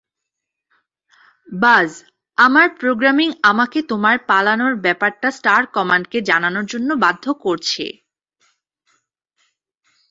বায, আমার প্রোগ্রামিং আমাকে তোমার পালানোর ব্যাপারটা স্টার কমান্ডকে জানানোর জন্য বাধ্য করছে।